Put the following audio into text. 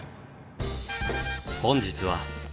本日は。